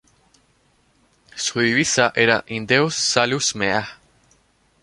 Su divisa era "In Deo salus mea".